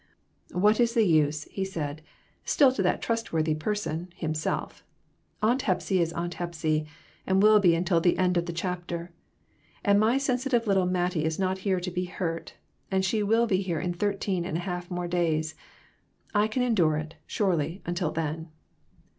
"What is the use?" he said, still to that trust worthy person himself. "Aunt Hepsy is Aunt Hepsy, and will be until the end of the chap ter. And my sensitive little Mattie is not here to be hurt ; and she will be here in thirteen and a half more days. I can endure it, surely, until then."